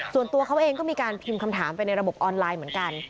ส่วนตัวเขาเองก็มีการพิมพ์คำถามไปในระบบออนไลน์เหมือนกัน